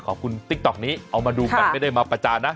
ติ๊กต๊อกนี้เอามาดูกันไม่ได้มาประจานนะ